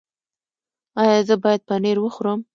ایا زه باید پنیر وخورم؟